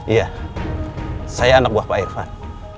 iya saya anak buah pak irfan